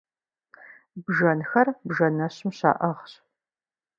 Бжэнхэр бжэнэщым щаӏыгъщ.